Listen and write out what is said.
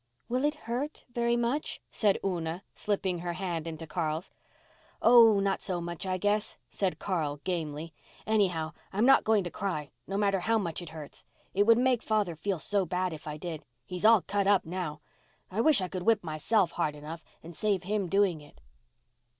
"Will it hurt—very much?" said Una, slipping her hand into Carl's. "Oh, not so much, I guess," said Carl gamely. "Anyhow, I'm not going to cry, no matter how much it hurts. It would make father feel so bad, if I did. He's all cut up now. I wish I could whip myself hard enough and save him doing it."